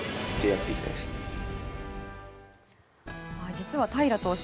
実は平良投手